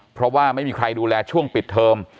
เพราะว่าไม่มีใครดูแลช่วงปิดเทอม